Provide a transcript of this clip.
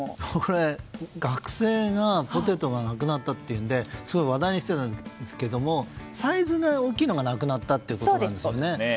僕、学生がポテトがなくなったというのですごい話題にしていたんですけどサイズが大きいのがなくなったということですよね。